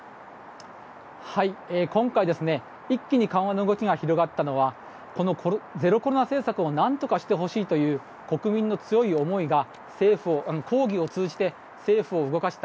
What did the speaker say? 今回、一気に緩和の動きが広がったのはゼロコロナ政策を何とかしてほしいという国民の強い思いが抗議を通じて政府を動かした